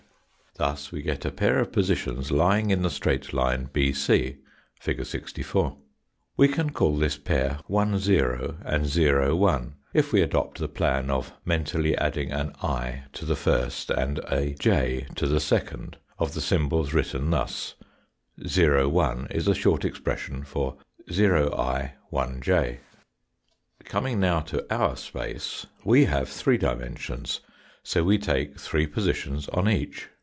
Thus we get a pair of positions lying in the straight C line BC, fig. 64. We can call this pair 10 and 01 if we adopt the plan of mentally, adding an i to the first and a j to the second of the symbols written thus 01 is a short expression for Oi, Ij. Coining now to our space, we have three dimensions, so we take three positions on each.